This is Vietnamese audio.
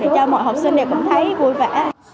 để cho mọi học sinh cũng thấy vui vẻ